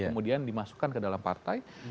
kemudian dimasukkan ke dalam partai